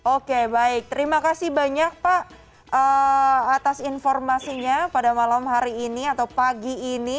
oke baik terima kasih banyak pak atas informasinya pada malam hari ini atau pagi ini